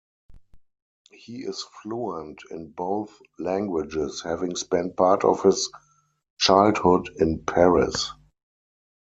He is fluent in both languages, having spent part of his childhood in Paris.